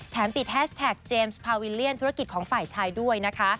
ติดแฮชแท็กเจมส์พาวิลเลียนธุรกิจของฝ่ายชายด้วยนะคะ